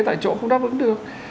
tại chỗ không đáp ứng được